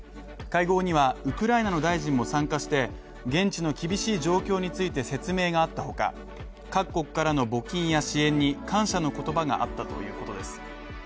会合にはウクライナの大臣も参加して現地の厳しい状況について説明があったほか各国からの募金や支援に感謝の言葉があったということです。